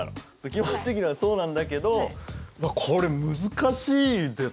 気持ち的にはそうなんだけどこれ難しいですね。